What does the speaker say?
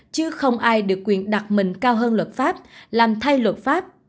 chứ không ai được quyền đặt mình cao hơn luật pháp làm thay luật pháp